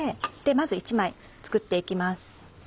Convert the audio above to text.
まず１枚作って行きます。